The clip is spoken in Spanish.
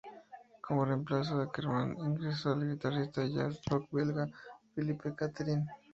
Como reemplazo de Akkerman ingresó el guitarrista de jazz-rock belga Phillipe Catherine.